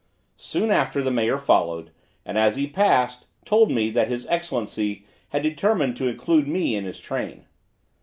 Soon after the mayor followed, and as he passed, told me that his excellency had determined to include me in his train.